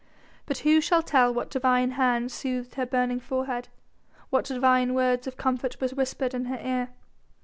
But who shall tell what divine hand soothed her burning forehead? what divine words of comfort were whispered in her ear?